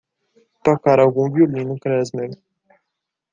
Tocar algum violino klezmer